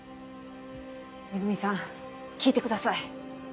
恵さん聞いてください。